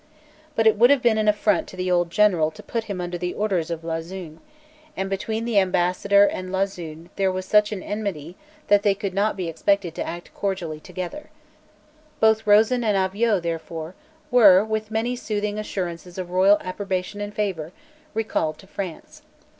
But it would have been an affront to the old general to put him under the orders of Lauzun; and between the ambassador and Lauzun there was such an enmity that they could not be expected to act cordially together. Both Rosen and Avaux, therefore, were, with many soothing assurances of royal approbation and favour, recalled to France.